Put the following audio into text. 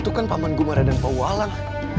teman teman gumara dan pawalan